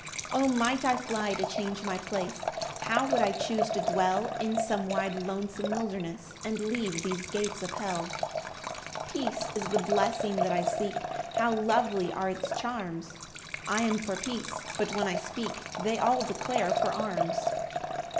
3 O might I fly to change my place, How would I chuse to dwell In some wide lonesome wilderness, And leave these gates of hell. 4 Peace is the blessing that I seek, How lovely are its charms; I am for peace; but when I speak, They all declare for arms.